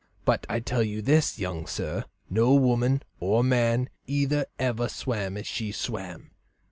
But I tell you this, young sir, no woman or man either ever swam as she swam.